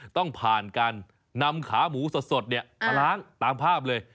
ต้องผ่านการนำขาหมูสดมาล้างตามภาพเลย